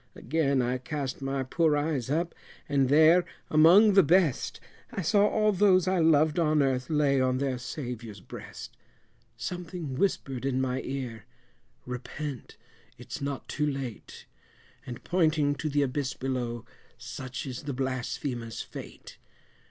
Again I cast my poor eyes up, and there among the best, I saw all those I loved on earth lay on their Saviour's breast; Something whispered in my ear repent it's not too late, And pointing to the abyss below such is the blasphemer's fate.